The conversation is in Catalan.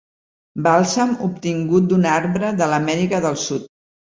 Bàlsam obtingut d'un arbre de l'Amèrica del Sud.